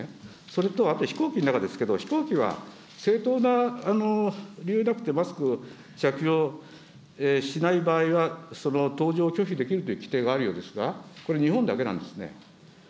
それと、あと飛行機の中ですけど、飛行機は正当な理由なくてマスクを着用しない場合は、その搭乗拒否できるという規定があるようですが、これ、日本だけなんですね。